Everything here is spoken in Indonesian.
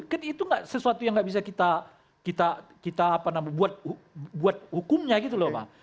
kan itu sesuatu yang nggak bisa kita buat hukumnya gitu loh pak